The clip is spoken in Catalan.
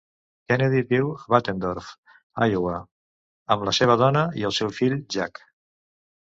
Kennedy viu a Bettendorf, Iowa amb la seva dona i el seu fill, Jack.